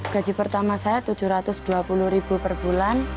gaji pertama saya rp tujuh ratus dua puluh per bulan